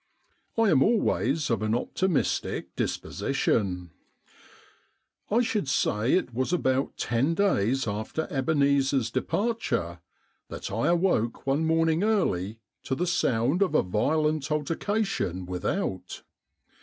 I am always of an optimistic dis position ! I should say it was about ten days after Ebeneezer' s departure that I awoke one morning early to the sound of a violent altercation without.